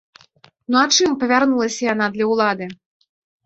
Ну а чым павярнулася яна для ўлады?